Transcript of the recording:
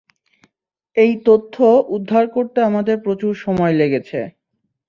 এই তথ্য উদ্ধার করতে আমাদের প্রচুর সময় লেগেছে।